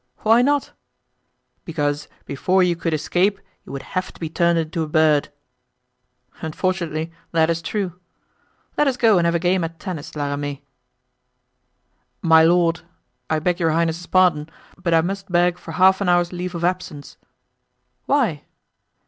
"Why not?" "Because before you could escape you would have to be turned into a bird." "Unfortunately, that is true. Let us go and have a game at tennis, La Ramee." "My lord—I beg your highness's pardon—but I must beg for half an hour's leave of absence." "Why?"